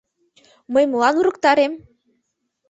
Мый молан урыктарем?..